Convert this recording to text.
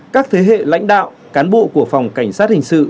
các thế hệ lãnh đạo cán bộ của phòng cảnh sát hình sự